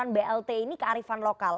karena penyaluran blt ini kearifan lokal